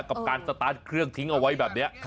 กับการสตาร์ทเครื่องทิ้งเอาไว้แบบนี้